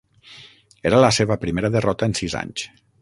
Era la seva primera derrota en sis anys.